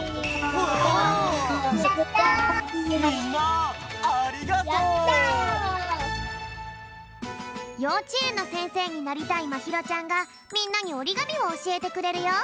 わあっ！ようちえんのせんせいになりたいまひろちゃんがみんなにおりがみをおしえてくれるよ！